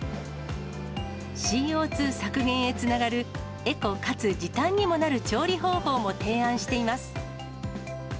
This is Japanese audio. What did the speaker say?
ＣＯ２削減へつながるエコかつ時短にもなる調理方法も提案しています。